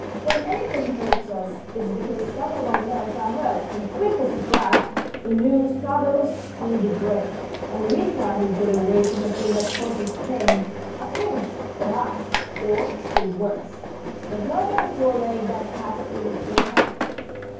When anything hurts us it's because some of our nerves are hurt, and quick as a flash the news travels to the brain, and we try to get away from the thing that causes pain a pinch, perhaps, or, still worse, the hurt of a poor leg that has been torn off."